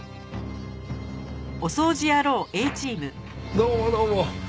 どうもどうも。